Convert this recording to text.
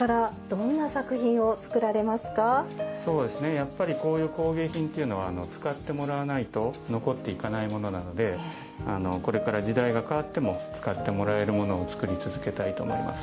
やっぱりこういう工芸品というのは使ってもらわないと残っていかないものなのでこれから時代が変わっても使ってもらえるものを作り続けたいと思います。